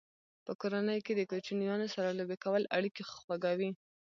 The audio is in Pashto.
په کورنۍ کې د کوچنیانو سره لوبې کول اړیکې خوږوي.